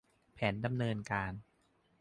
แผนดำเนินการ